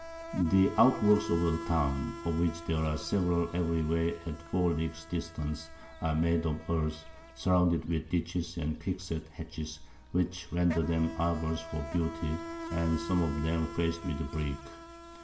The Out works of the Town, of which there are several every way at 4 Leagues Distance, are made of Earth, surrounded with Ditches and Quick set Hedges, which render them Arbours for Beauty, and some of them fac'd with Brick.